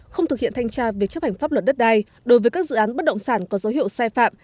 không thực hiện thanh tra việc chấp hành pháp luật đất đai đối với các dự án bất động sản có dấu hiệu sai phạm